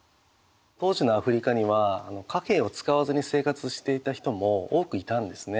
当時のアフリカには貨幣を使わずに生活していた人も多くいたんですね。